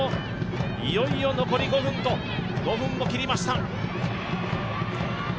いよいよ残り５分を切りました。